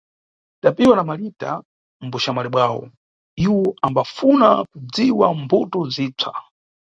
Tapiwa na Malita mbuxamwali bwawo, iwo ambafuna kudziwa mbuto zipsa.